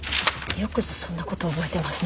よくそんなこと覚えてますね。